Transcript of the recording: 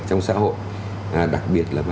trong xã hội đặc biệt là